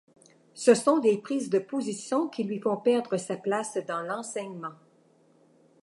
Ce sont ses prises de position qui lui font perdre sa place dans l'enseignement.